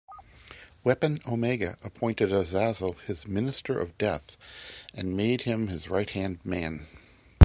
Weapon Omega appointed Azazel his Minister of Death and made him his right-hand man.